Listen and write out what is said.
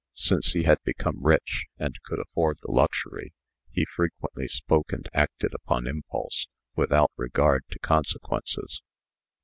Since he had become rich, and could afford the luxury, he frequently spoke and acted upon impulse, without regard to consequences.